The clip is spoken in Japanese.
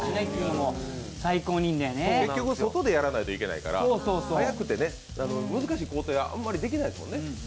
結局、外でやらないといけないから、早くて難しい工程はあんまりできないですもんね。